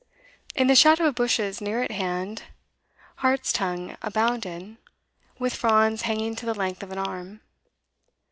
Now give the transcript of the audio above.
In the shadow of bushes near at hand hartstongue abounded, with fronds hanging to the length of an arm.